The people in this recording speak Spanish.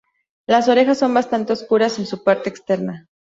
Las orejas son bastante oscuras en su parte externa.